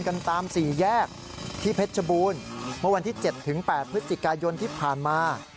กันตามสี่แยกที่เพชรบูรณ์เมื่อวันที่๗๘พฤศจิกายนที่ผ่านมา